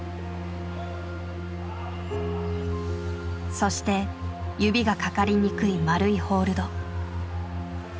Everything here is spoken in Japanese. そして指がかかりにくい丸いホールド。